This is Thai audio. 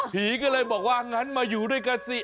ผีก็เลยบอกว่างั้นมาอยู่ด้วยกันสิ